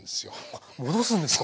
あっ戻すんですか？